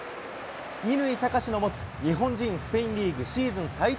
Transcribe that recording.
乾貴士の持つ日本人スペインリーグシーズン最多